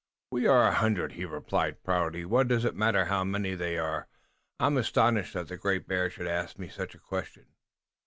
"We are a hundred," he replied proudly. "What does it matter how many they are? I am astonished that the Great Bear should ask me such a question."